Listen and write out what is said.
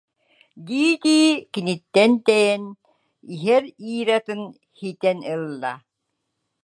дии-дии киниттэн тэйэн иһэр Иратын ситэн ылла